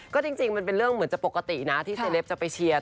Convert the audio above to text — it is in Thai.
ก็จริงมันเป็นเรื่องเหมือนจะปกตินะที่เซเลปจะไปเชียร์